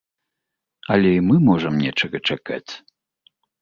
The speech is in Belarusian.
Але і мы можам нечага чакаць.